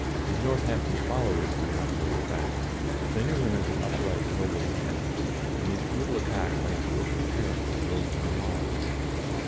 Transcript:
His Northampton followers did not know the facts, but they knew him as an upright, noble man, and these brutal attacks on his personal character drove them wild.